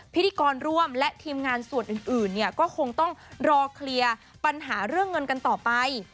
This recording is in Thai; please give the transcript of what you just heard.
พิธีกรร่วมและทีมงานส่วนอื่นเนี่ยก็คงต้องรอเคลียร์ปัญหาเรื่องเงินกันต่อไป